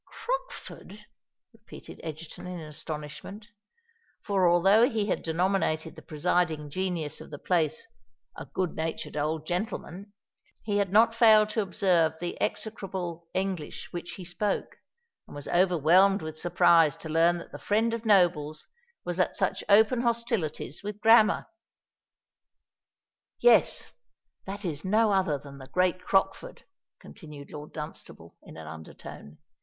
"Crockford!" repeated Egerton, in astonishment; for, although he had denominated the presiding genius of the place "a good natured old gentleman," he had not failed to observe the execrable English which he spoke, and was overwhelmed with surprise to learn that the friend of nobles was at such open hostilities with grammar. "Yes—that is no other than the great Crockford," continued Lord Dunstable, in an under tone.